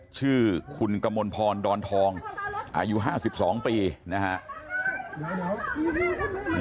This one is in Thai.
ชื่อคุณกมลพรดอนทองอายุ๕๒ปีนะครับ